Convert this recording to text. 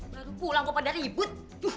baru pulang kok pada ribut